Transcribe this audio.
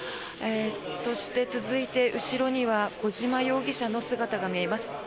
そして、続いて後ろには小島容疑者の姿が見えます。